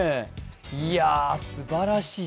いやぁ、すばらしい。